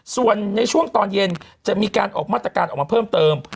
ส่วนในช่วงตอนเย็นจะมีการออกมาตรการออกมาเพิ่มเติม